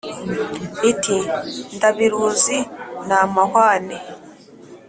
Iti : Ndabiruzi ni amahwane